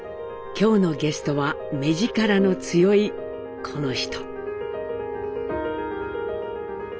今日のゲストは目ヂカラの強いこの人。